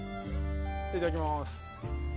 いただきます。